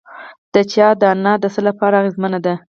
د چیا دانه د څه لپاره اغیزمنه ده؟